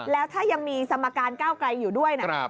แล้วถ้ายังมีสมการก้าวไกลอยู่ด้วยนะ